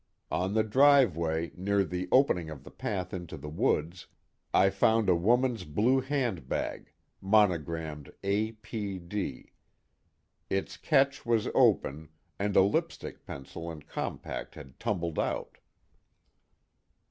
On the driveway, near the opening of the path into the woods, I found a woman's blue handbag, monogrammed A.P.D. Its catch was open, and a lipstick pencil and compact had tumbled out."